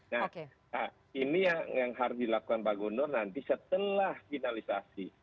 nah ini yang harus dilakukan pak gubernur nanti setelah finalisasi